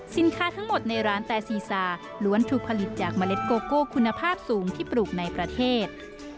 ทั้งหมดในร้านแต่ซีซาล้วนถูกผลิตจากเมล็ดโกโก้คุณภาพสูงที่ปลูกในประเทศ